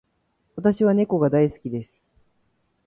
私は猫が大好きです。